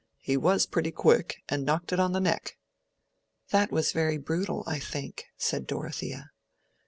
He was pretty quick, and knocked it on the neck." "That was very brutal, I think," said Dorothea.